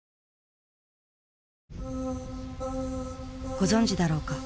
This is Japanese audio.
ご存じだろうか。